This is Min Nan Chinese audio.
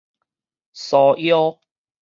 酥腰